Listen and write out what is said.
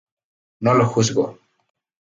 No lo juzgo.